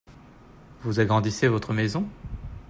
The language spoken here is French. Vous agrandissez votre maison ?